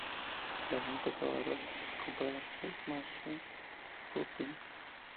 La banda tocaba rock y fue comparada con Smashing Pumpkins.